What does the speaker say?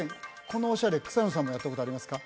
このオシャレ草野さんもやったことありますか？